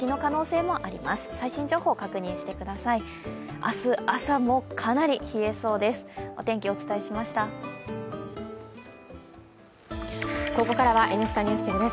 明日朝もかなり冷えそうです。